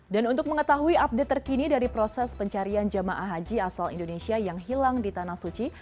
dan untuk mengetahui update terkini dari proses pencarian jamaah haji asal indonesia yang hilang di tanah suci